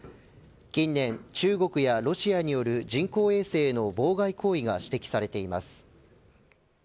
近年、中国やロシアによる人工衛星への妨害行為が指摘されています。